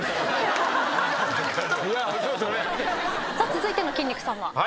続いての筋肉さんは。